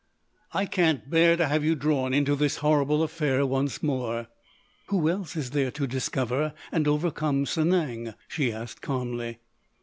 "I can't bear to have you drawn into this horrible affair once more." "Who else is there to discover and overcome Sanang?" she asked calmly.